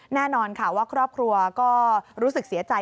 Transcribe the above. แน่นอนค่ะว่าครอบครัวก็รู้สึกเสียใจ